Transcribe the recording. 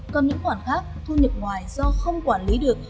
còn những khoản khác thu nhập ngoài do không quản lý được